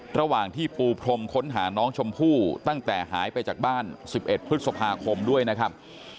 ระหว่างที่ปูพรมค้นหาน้องชมพู่ตั้งแต่หายไปจากบ้าน๑๑พฤษภาคมด้วยนะครับ